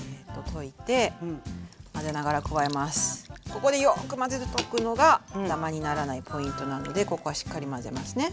ここでよく混ぜとくのがダマにならないポイントなのでここはしっかり混ぜますね。